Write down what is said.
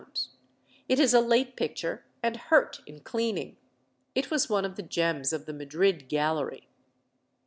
It is a late picture, and hurt in cleaning. It was one of the gems of the Madrid Gallery.